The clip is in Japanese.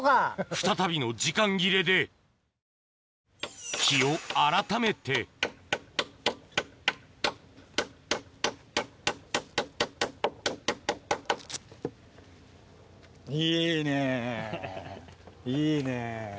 再びの時間切れで日を改めていいね。